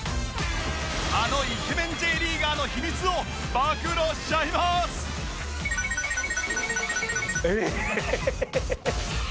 あのイケメン Ｊ リーガーの秘密を暴露しちゃいますえハハハハハ。